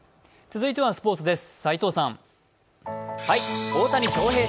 続いてはスポーツです。